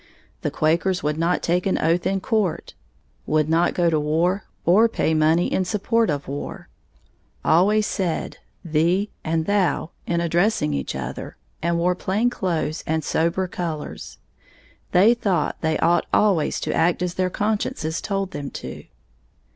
The Quakers would not take an oath in court; would not go to war or pay money in support of war; always said "thee" and "thou" in addressing each other, and wore plain clothes and sober colors. They thought they ought always to act as their consciences told them to.